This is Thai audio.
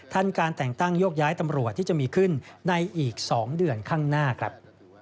การแต่งตั้งโยกย้ายตำรวจที่จะมีขึ้นในอีก๒เดือนข้างหน้าครับ